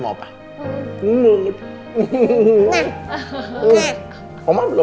silahkan duduk dulu